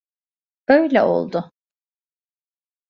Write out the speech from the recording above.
Öyle oldu.